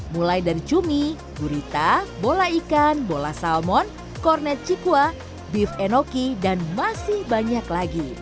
mulai dari cumi gurita bola ikan bola salmon kornet cikua beef enoki dan masih banyak lagi